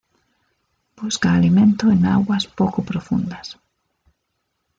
Busca alimento en aguas poco profundas.